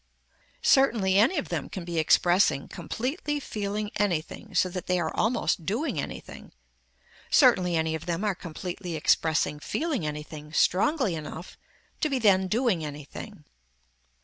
Certainly any of them can be expressing completely feeling anything so that they are almost doing anything. Certainly any of them are completely expressing feeling anything strongly enough to be then doing anything.